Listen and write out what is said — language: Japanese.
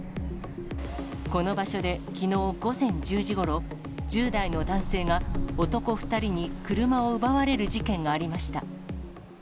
この場所で、きのう午前１０時ごろ、１０代の男性が、男２人に車を奪われる事件がありました。